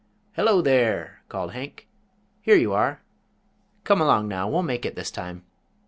"Hello there!" called Hank. "Here you are. Come along now, we'll make it this time."